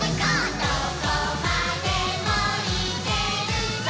「どこまでもいけるぞ！」